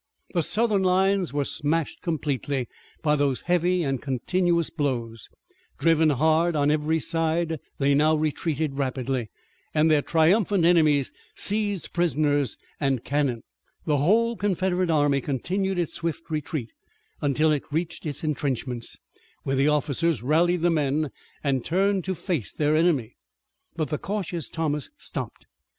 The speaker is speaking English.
The Southern lines were smashed completely by those heavy and continuous blows. Driven hard on every side they now retreated rapidly, and their triumphant enemies seized prisoners and cannon. The whole Confederate army continued its swift retreat until it reached its intrenchments, where the officers rallied the men and turned to face their enemy. But the cautious Thomas stopped.